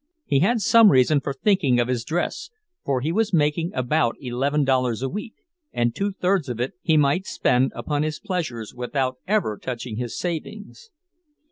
He had some reason for thinking of his dress, for he was making about eleven dollars a week, and two thirds of it he might spend upon his pleasures without ever touching his savings.